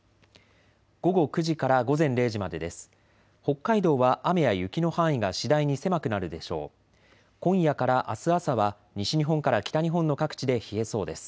午後９時から午前０時までです。